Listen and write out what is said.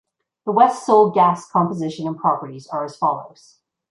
The West Sole gas composition and properties are as follows.